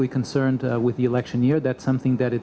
jadi kami tidak terlalu bercanda dengan tahun pilihan